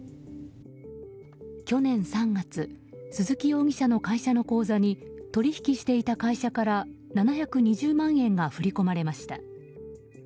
去年３月鈴木容疑者の会社の口座に取引していた会社から７２０万円が振り込まれました。